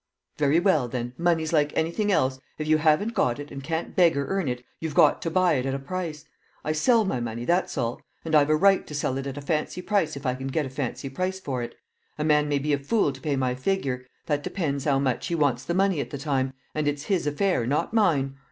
"Very well, then, money's like anything else; if you haven't got it, and can't beg or earn it, you've got to buy it at a price. I sell my money, that's all. And I've a right to sell it at a fancy price if I can get a fancy price for it. A man may be a fool to pay my figure; that depends 'ow much he wants the money at the time, and it's his affair, not mine.